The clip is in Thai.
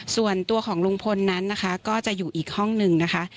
ส่วนตัวของลุงพลนั้นนะคะก็จะอยู่อีกห้องหนึ่งนะคะ